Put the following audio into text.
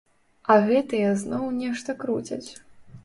А гэтыя зноў нешта круцяць.